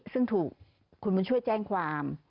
ซึ่งถูกคุณบุญช่วยแจ้งความ